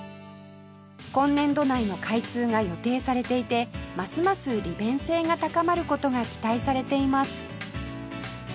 今年度内の開通が予定されていてますます利便性が高まる事が期待されています